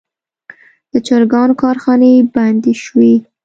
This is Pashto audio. د چرګانو کارخانې بندې شوي.